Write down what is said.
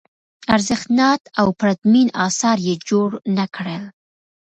ارزښتناک او پرتمین اثار یې جوړ نه کړل.